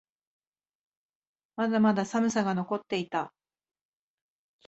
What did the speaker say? まだまだ寒さが残っていた。